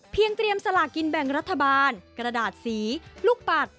เตรียมสลากินแบ่งรัฐบาลกระดาษสีลูกปัด